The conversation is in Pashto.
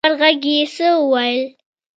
په لوړ غږ يې څه وويل.